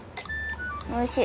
おいしい。